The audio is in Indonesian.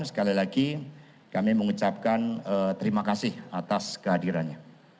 sekali lagi kami mengucapkan terima kasih atas kehadirannya